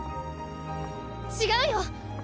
違うよ！